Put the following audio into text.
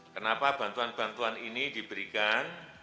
kenapa bantuan bantuan ini diberikan